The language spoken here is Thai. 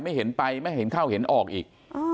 เห็นไปไม่เห็นเข้าเห็นออกอีก